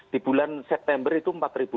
di bulan september itu empat lima ratus